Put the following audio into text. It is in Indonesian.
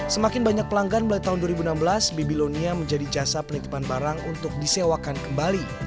semakin banyak pelanggan mulai tahun dua ribu enam belas babylonia menjadi jasa penitipan barang untuk disewakan kembali